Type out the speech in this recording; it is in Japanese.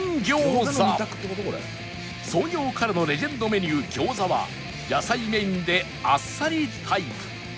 創業からのレジェンドメニュー餃子は野菜メインであっさりタイプ